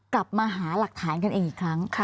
กลับมาหาหลักฐานกันเองอีกครั้ง